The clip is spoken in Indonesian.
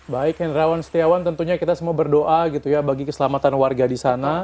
baik hendrawan setiawan tentunya kita semua berdoa gitu ya bagi keselamatan warga di sana